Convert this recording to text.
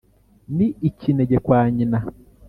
ni ikinege kwa nyina.